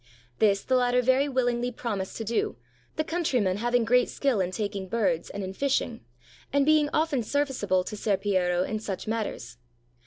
This the latter very willingly promised to do, the countryman having great skill in taking birds and in fishing, and being often serviceable to Ser Piero in such matters.